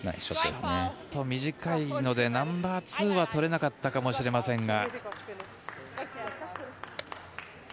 ちょっと短いのでナンバーツーは取れなかったかもしれませんが。